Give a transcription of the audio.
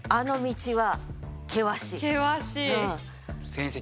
先生